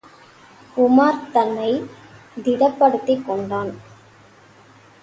உமார் தன்னைத் திடப்படுத்திக் கொண்டான்.